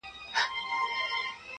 که شیعه دي که سني دي محمده